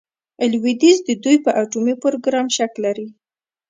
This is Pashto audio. لویدیځ د دوی په اټومي پروګرام شک لري.